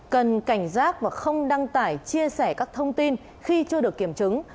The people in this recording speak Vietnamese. cần cảnh giác và không đăng tải chia sẻ các thông tin khi chưa được kiểm chứng